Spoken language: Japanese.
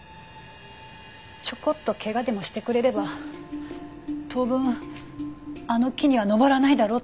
ちょこっと怪我でもしてくれれば当分あの木には登らないだろうと思って。